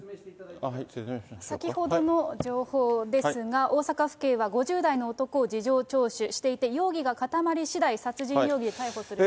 先ほどの情報ですが、大阪府警は５０代の男を事情聴取していて、容疑が固まりしだい、殺人容疑で逮捕する方針です。